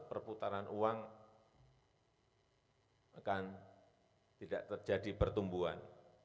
perputaran uang akan tidak terjadi pertumbuhan